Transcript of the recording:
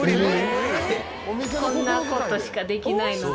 こんな事しかできないので。